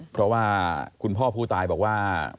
เพราะว่าคุณพ่อผู้ตายบอกว่า